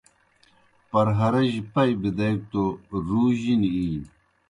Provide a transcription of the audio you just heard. پرہارِجیْ پئی بِدیگہ توْ رُو جِنیْ اِینیْ۔